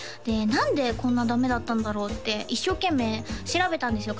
何でこんなダメだったんだろうって一生懸命調べたんですよ